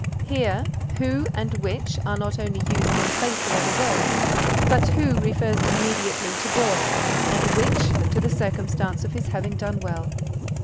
Here who and which are not only used in place of other words, but who refers immediately to boy, and which to the circumstance of his having done well.